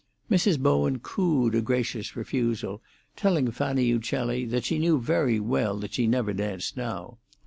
Mrs. Bowen cooed a gracious refusal, telling Fanny Uccelli that she knew very well that she never danced now.